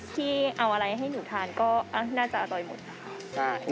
ที่เอาอะไรให้หนูทานก็น่าจะอร่อยหมดนะคะ